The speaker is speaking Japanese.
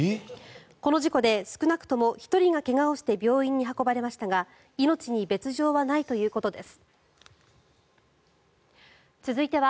この事故で少なくとも１人が怪我をして病院に運ばれましたが命に別条はないということです。